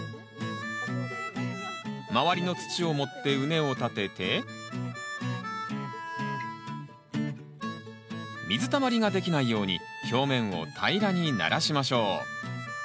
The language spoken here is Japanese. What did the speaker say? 周りの土を盛って畝を立てて水たまりができないように表面を平らにならしましょう。